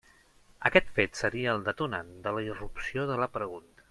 Aquest fet seria el detonant de la irrupció de la pregunta.